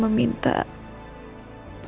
terima kasih bu